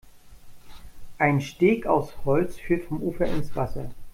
Ein Steg aus Holz führt vom Ufer ins Wasser.